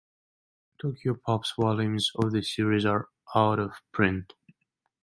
Tokyopop's volumes of the series are out of print.